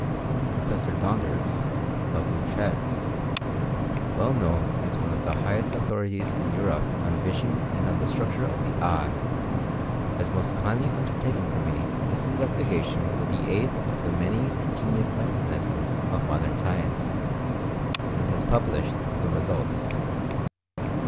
Professor Donders, of Utrecht, well known as one of the highest authorities in Europe on vision and on the structure of the eye, has most kindly undertaken for me this investigation with the aid of the many ingenious mechanisms of modern science, and has published the results.